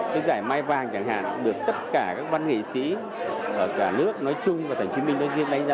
cái giải mai vàng được tất cả các văn nghệ sĩ ở cả nước nói chung và thành chính mình nói riêng